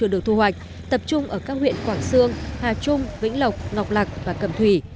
được thu hoạch tập trung ở các huyện quảng sương hà trung vĩnh lộc ngọc lạc và cầm thủy